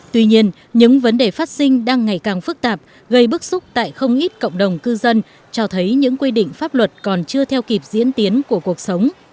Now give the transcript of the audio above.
tuy nhiên những vấn đề phát sinh đang ngày càng phức tạp gây bức xúc tại không ít cộng đồng cư dân cho thấy những quy định pháp luật còn chưa theo kịp diễn tiến của cuộc sống